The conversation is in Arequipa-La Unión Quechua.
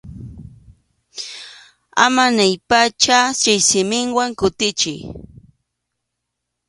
Ama niypacha chay simiwan kutichiy.